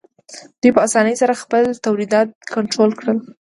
دوی په اسانۍ سره خپل تولیدات کنټرول کړل